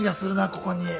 ここに。